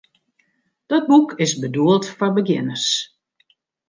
Dat boek is bedoeld foar begjinners.